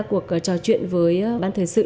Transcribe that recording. cuộc trò chuyện với ban thời sự